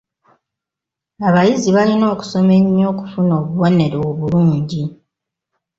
Abayizi balina okusoma ennyo okufuna obubonero obulungi.